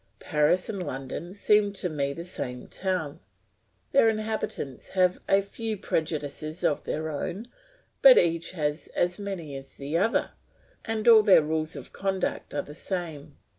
Paris and London seem to me the same town. Their inhabitants have a few prejudices of their own, but each has as many as the other, and all their rules of conduct are the same.